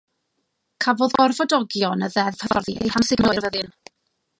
Cafodd gorfodogion y ddeddf hyfforddi eu hamsugno i'r fyddin.